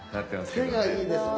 手がいいですね。